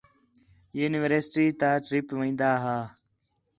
یونیورسٹی تا ٹِرپ وین٘دا ہا